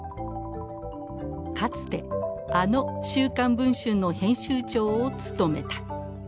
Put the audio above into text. かつてあの「週刊文春」の編集長を務めた。